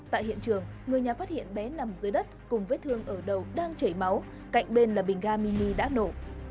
tại hiện trường người nhà phát hiện bé nằm dưới đất cùng vết thương ở đầu đang chảy máu cạnh bên là bình ga mini đã nổ